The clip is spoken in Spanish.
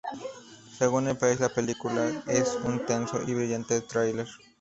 Según El País, la película es un tenso y brillante thriller.